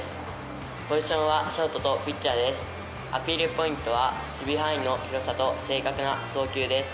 ポイントは守備範囲の広さと正確な送球です。